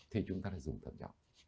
thì chúng ta dùng tổn thương